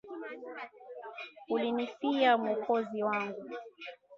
Ulinifia mwokozi wangu